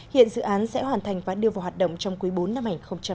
hiện dự án sẽ hoàn thành và đưa vào hoạt động trong quý bốn năm hai nghìn hai mươi